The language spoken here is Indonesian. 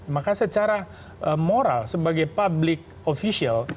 maka secara moral sebagai public official